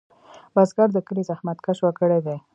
بزګر د کلي زحمتکش وګړی دی